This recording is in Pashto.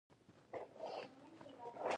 احمد بېرته خپله خبره واخيسته.